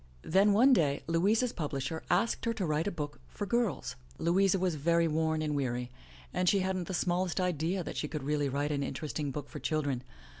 Then one day Louisa's publisher asked her to write a book for girls. Louisa was very worn and weary, and she hadn't the small est idea that she could really write an interesting book for children.